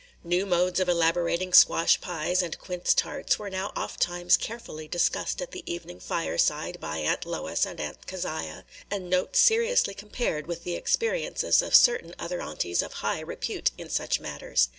New modes of elaborating squash pies and quince tarts were now ofttimes carefully discussed at the evening fireside by Aunt Lois and Aunt Keziah, and notes seriously compared with the experiences of certain other Aunties of high repute in such matters.